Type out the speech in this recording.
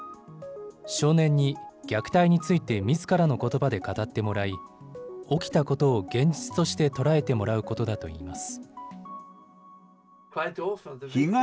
少年に虐待についてみずからのことばで語ってもらい、起きたことを現実として捉えてもらうことだといいます。